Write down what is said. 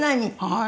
はい。